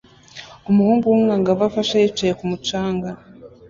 Umuhungu w'umwangavu afashe yicaye kumu canga